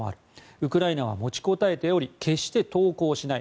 ウクライナは持ちこたえており決して投降しない。